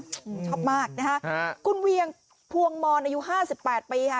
ชอบมากนะฮะคุณเวียงพวงมอนอายุ๕๘ปีค่ะ